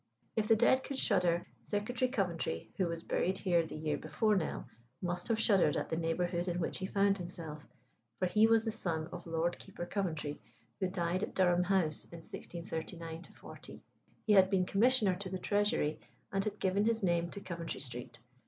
If the dead could shudder, Secretary Coventry, who was buried here the year before Nell, must have shuddered at the neighbourhood in which he found himself; for he was the son of Lord Keeper Coventry, who died at Durham House in 1639 40. He had been Commissioner to the Treasury, and had given his name to Coventry Street.